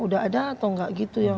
udah ada atau enggak gitu ya